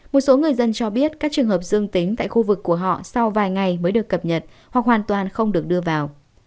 một số người dân cho biết các trường hợp dương tính tại khu vực của họ sau vài ngày mới được cập nhật hoặc hoàn toàn không được đưa vào